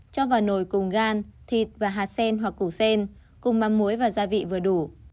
cho vào nồi cùng gan thịt và hạt sen hoặc củ sen cùng mắm muối và gia vị vừa đủ